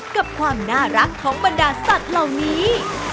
กับความน่ารักของบรรดาสัตว์เหล่านี้